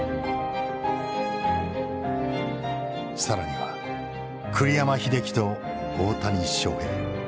更には栗山英樹と大谷翔平。